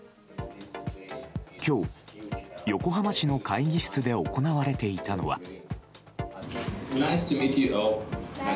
今日、横浜市の会議室で行われていたのは。